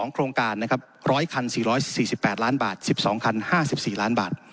โครงการนะครับ๑๐๐คัน๔๔๘ล้านบาท๑๒คัน๕๔ล้านบาท